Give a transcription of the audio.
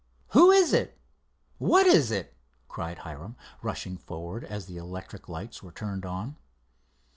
"Who is it? what is it?" cried Hiram, rushing forward as the electric lights were turned on.